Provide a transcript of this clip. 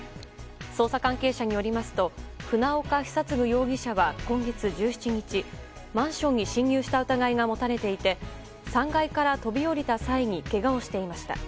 捜査関係者によりますと船岡久嗣容疑者は今月１７日、マンションに侵入した疑いが持たれていて３階から飛び降りた際にけがをしていました。